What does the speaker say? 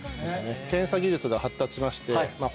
検査技術が発達しまして。